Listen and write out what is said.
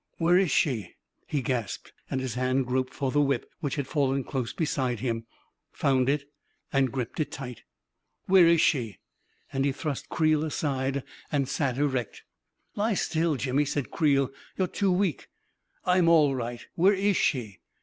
" Where is she ?" he gasped, and his hand groped for the whip, which had fallen close beside him, found it, and grabbed it tight. " Where is she ?" and he thrust Creel aside and sat erect. 374 A KING IN BABYLON " Lie still, Jimmy !" said Creel. " You're too weak ..."" I'm all right ! Where is she